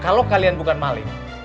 kalau kalian bukan maling